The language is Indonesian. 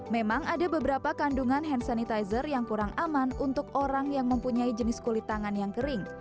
memang ada beberapa kandungan hand sanitizer yang kurang aman untuk orang yang mempunyai jenis kulit tangan yang kering